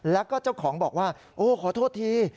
แล้วก็เจ้าของบอกว่าโอ้ขอโทษที